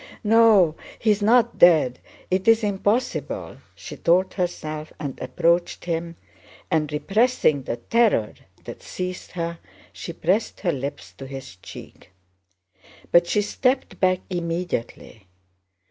"No, he's not dead—it's impossible!" she told herself and approached him, and repressing the terror that seized her, she pressed her lips to his cheek. But she stepped back immediately.